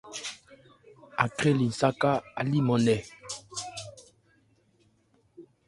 Akrɛ li nsáká, á líman nkɛ.